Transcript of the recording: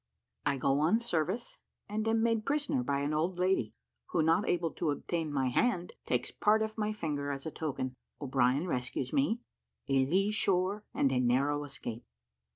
I GO ON SERVICE, AND AM MADE PRISONER BY AN OLD LADY, WHO, NOT ABLE TO OBTAIN MY HAND, TAKES PART OF MY FINGER AS A TOKEN O'BRIEN RESCUES ME A LEE SHORE AND NARROW ESCAPE.